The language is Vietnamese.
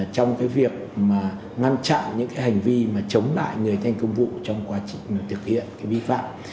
trong cái việc mà ngăn chặn những cái hành vi mà chống lại người thành công vụ trong quá trình thực hiện cái vi phạm